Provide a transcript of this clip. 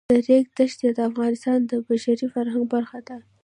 د ریګ دښتې د افغانستان د بشري فرهنګ برخه ده.